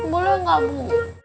boleh gak bu